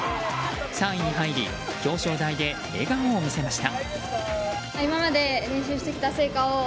３位に入り、表彰台で笑顔を見せました。